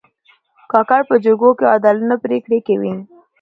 کاکړ په جرګو کې عادلانه پرېکړې کوي.